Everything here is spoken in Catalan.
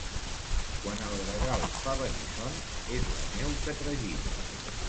Quan el gregal fa venir son és la neu que tragina.